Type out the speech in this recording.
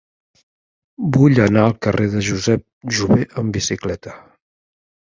Vull anar al carrer de Josep Jover amb bicicleta.